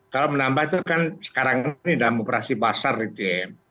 kalau menambah itu kan sekarang ini dalam operasi pasar gitu ya